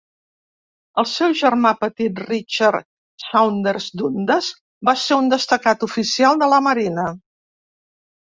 El seu germà petit, Richard Saunders Dundas, va ser un destacat oficial de la marina.